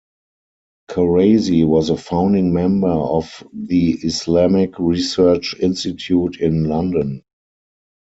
Kharazi was a founding member of the Islamic Research Institute in London.